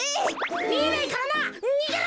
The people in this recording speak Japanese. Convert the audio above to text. みえないからな。にげろ！